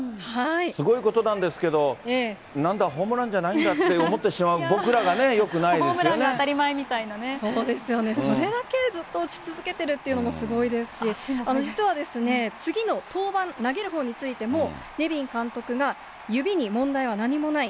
すごいことなんですけど、なんだ、ホームランじゃないんだって思ってしまう僕らがよくないホームランが当たり前みたいそうですよね、それだけずっと打ち続けてるっていうのもすごいですし、実は次の登板、投げるほうについても、ネビン監督が指に問題は何もない。